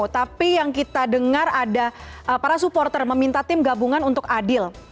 tapi yang kita dengar ada para supporter meminta tim gabungan untuk adil